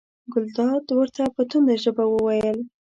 ګلداد ورته په تنده ژبه وویل.